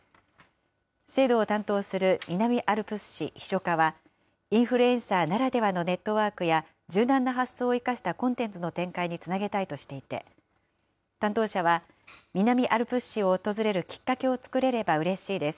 制度を担当する南アルプス市秘書課は、インフルエンサーならではのネットワークや、柔軟な発想を生かしたコンテンツの展開につなげたいとしていて、担当者は、南アルプス市を訪れるきっかけをつくれればうれしいです。